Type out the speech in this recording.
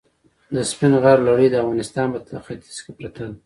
د سپین غر لړۍ د افغانستان په ختیځ کې پرته ده.